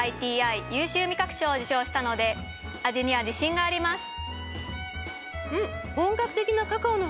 ＩＴＩ優秀味覚賞を受賞したので味には自信があります。